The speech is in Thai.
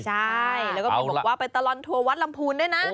ใช่แล้วก็มีบอกว่าไปตลอดทัววัดลำพูนด้วยนะ